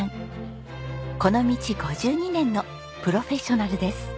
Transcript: この道５２年のプロフェッショナルです。